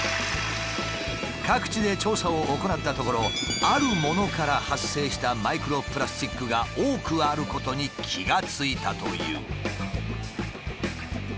各地で調査を行ったところあるものから発生したマイクロプラスチックが多くあることに気が付いたという。